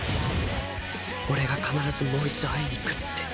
俺が必ずもう一度会いに行くって。